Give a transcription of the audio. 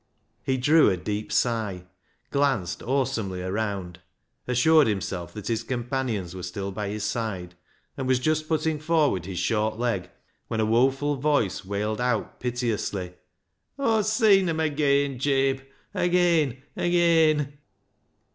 He drew a deep sigh, glanced awesomely around, assured himself that his companions were still by his side, and was just putting for 396 BECKSIDE LIGHTS ward his short leg, when a woeful voice wailed out piteously —" AwVe seen 'em ageean, Jabe. Ageean ! Ageean